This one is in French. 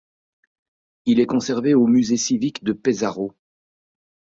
Il est conservé aux Musées civiques de Pesaro.